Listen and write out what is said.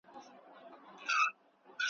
ته یوازی تنها نه یې `